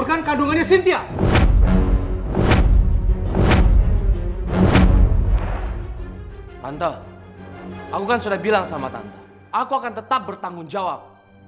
aku akan tetap bertanggung jawab